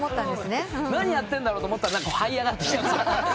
「何やってんだろ？」と思ったらはい上がってきて。